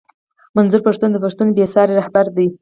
منظور پښتون د پښتنو بې ساری رهبر دی